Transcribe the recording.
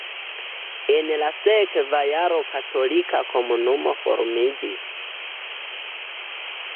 En la sekva jaro katolika komunumo formiĝis.